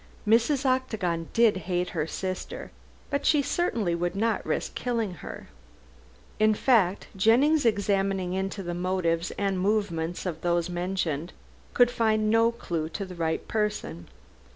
Mrs. Octagon did hate her sister, but she certainly would not risk killing her. In fact, Jennings examining into the motives and movements of those mentioned, could find no clue to the right person.